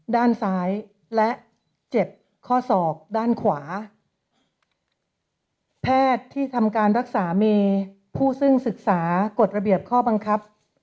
ด้านซ้ายและเจ็บข้อศอกด้านขวาแพทย์ที่ทำการรักษาเมย์ผู้ซึ่งศึกษากฎระเบียบข้อบังคับ